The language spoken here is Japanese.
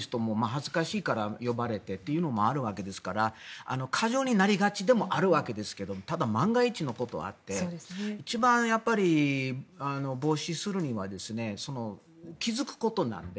恥ずかしいから呼ばれてというのもあるわけですから過剰になりがちでもあるわけですがただ、万が一のことがあって一番、防止するには気付くことなので。